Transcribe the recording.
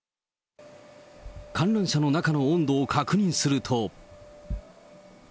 観覧車の中の温度を確認すると。